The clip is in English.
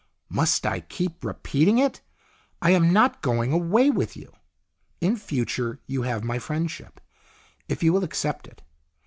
" Must I keep on repeating it ? I am not going away with you. In future you have my friendship, if you will accept it.